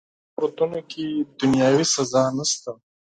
په دواړو صورتونو کي دنیاوي سزا نسته.